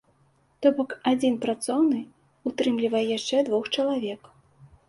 То бок, адзін працоўны ўтрымлівае яшчэ двух чалавек.